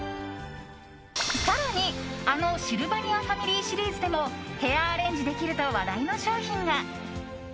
更に、あのシルバニアファミリーシリーズでもヘアアレンジできると話題の商品が。